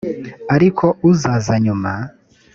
ariko uzaza r nyuma